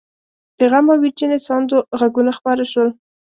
د غم او ويرجنې ساندو غږونه خپاره شول.